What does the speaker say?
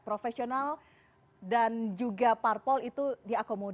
profesional dan juga parpol itu di branches learning